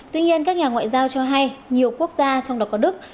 tuy nhiên các nhà ngoại giao cho hay nhiều quốc gia trong đó có đức